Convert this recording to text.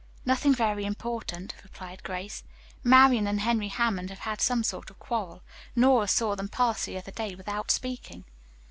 "Nothing very important," replied Grace. "Marian and Henry Hammond have had some sort of quarrel. Nora saw them pass the other day without speaking."